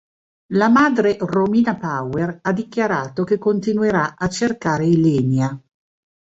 La madre Romina Power ha dichiarato che continuerà a cercare Ylenia.